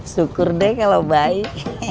syukur deh kalau baik